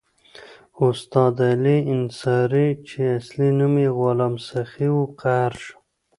استاد علي انصاري چې اصلي نوم یې غلام سخي وو قهر شو.